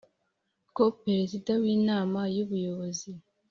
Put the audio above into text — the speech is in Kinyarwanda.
Ko perezida w inama y ubuyobozi